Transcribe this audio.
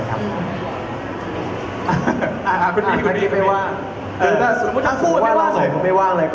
หรือว่าเราสองคนไม่ว่างเลย